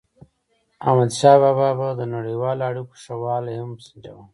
احمدشاه بابا به د نړیوالو اړیکو ښه والی هم سنجاوو.